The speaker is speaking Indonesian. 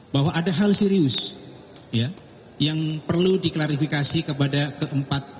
bahwa ada hal serius ya yang perlu diklarifikasi kepada keempat